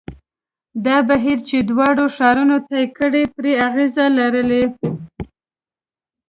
دا بهیر چې دواړو ښارونو طی کړې پرې اغېز لري.